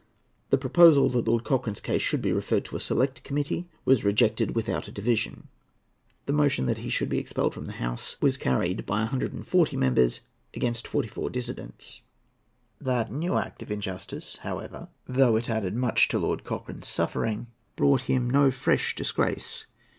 The proposal that Lord Cochrane's case should be referred to a Select Committee was rejected without a division. The motion that he should be expelled from the House was carried by a hundred and forty members, against forty four dissentients. That new act of injustice, however, though it added much to Lord Cochrane's suffering, brought him no fresh disgrace.